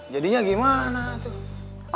jadinya gimana tuh